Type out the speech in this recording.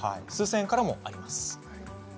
数千円からもあります。